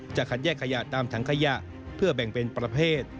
จะคัดแยกขยะตามถังขยะเพื่อแบ่งเป็นประเภท